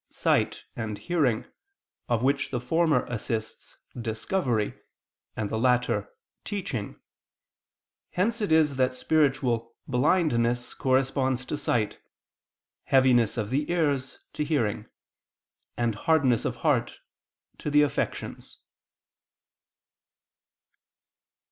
sight and hearing, of which the former assists "discovery," and the latter, "teaching," hence it is that spiritual "blindness" corresponds to sight, "heaviness of the ears" to hearing, and "hardness of heart" to the affections.